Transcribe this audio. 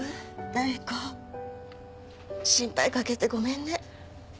乃里子心配かけてごめんね。